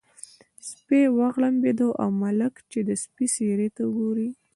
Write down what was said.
سپی وغړمبېد او ملک چې د سپي څېرې ته وګوري.